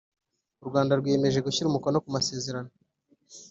U Rwanda rwiyemeje gushyira umukono ku masezerano